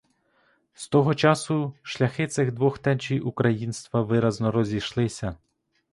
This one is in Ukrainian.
З того часу шляхи цих двох течій українства виразно розійшлися.